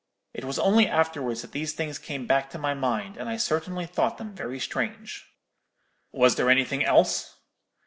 It was only afterwards that these things came back to my mind, and I certainly thought them very strange.' "'Was there anything else?'